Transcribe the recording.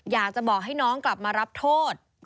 อยากจะบอกให้น้องกลับมารับโทษ